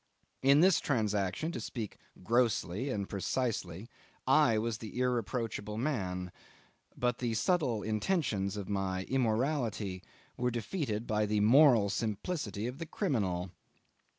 In this transaction, to speak grossly and precisely, I was the irreproachable man; but the subtle intentions of my immorality were defeated by the moral simplicity of the criminal.